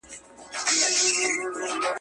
دښمن د هغه د جرئت او هوښیارۍ له امله تسلیم شو.